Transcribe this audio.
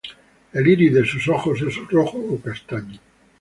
El iris de sus ojos es rojo o castaño.